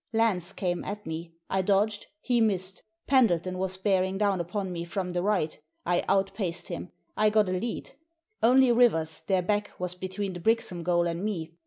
Lance came at me. I dodged, he missed. Pendleton was bearing down upon me from the right I outpaced him. I got a lead Only Rivers, their back, was between the Brixham goal and me.